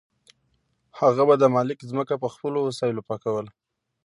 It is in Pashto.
هغه به د مالک ځمکه په خپلو وسایلو پاکوله.